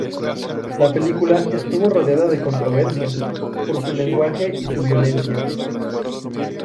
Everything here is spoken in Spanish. La película estuvo rodeada de controversia, por su lenguaje y su violencia.